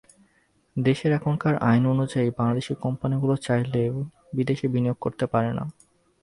দেশের এখনকার আইন অনুযায়ী বাংলাদেশি কোম্পানিগুলো চাইলেই বিদেশে বিনিয়োগ করতে পারে না।